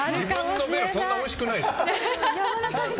自分のベロそんなにおいしくないよ。